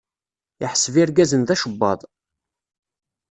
Iḥseb irgazen d acebbaḍ.